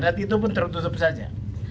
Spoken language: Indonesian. dan itu pun tertutup saja